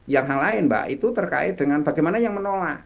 yang hal lain mbak itu terkait dengan bagaimana yang menolak